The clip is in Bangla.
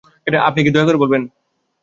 আপনি কি দয়া করে বলবেন?